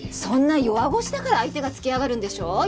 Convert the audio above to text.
そんな弱腰だから相手が付け上がるんでしょ？